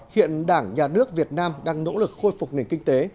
hiện đảng nhà nước việt nam đang nỗ lực khôi phục nền kinh tế